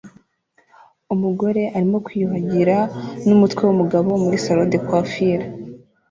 Umugore arimo kwiyuhagira n'umutwe wumugabo muri salon de coiffure